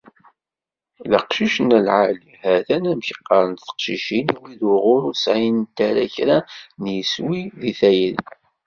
"D aqcic n lεali", hatan amek qqaren teqcicin i wid uɣur ur sεint ara kra n yiswi deg tayri.